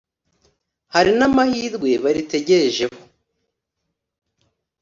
hari n’amahirwe baritegerejeho